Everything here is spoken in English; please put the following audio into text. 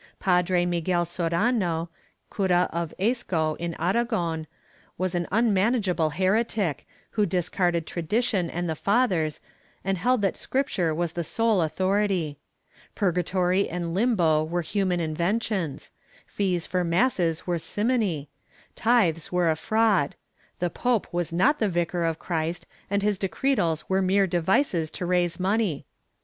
Padre Miguel Sorano, cura of Esco in Aragon, was an unmanageable heretic, who discarded tradition and the fathers and held that Scripture was the sole authority; purgatory and limbo were human inventions; fees for masses were simony; tithes were a fraud; the pope was not the vicar of Christ and his decretals were mere devices to raise money.